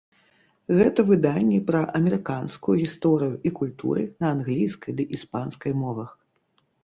Гэта выданні пра амерыканскую гісторыю і культуры на англійскай ды іспанскай мовах.